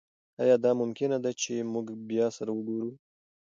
ایا دا ممکنه ده چې موږ بیا سره وګورو؟